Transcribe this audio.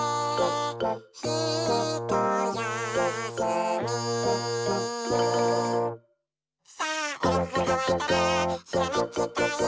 「ひとやすみ」「さあえのぐがかわいたらひらめきタイム」